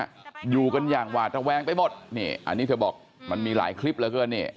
อยู่กันอย่างหวาดระแวงไปหมดนี่อันนี้เธอบอกมันมีหลายคลิปเหลือเกินนี่